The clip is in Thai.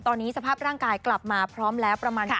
ตอนนี้สภาพร่างกายกลับมาพร้อมแล้วประมาณ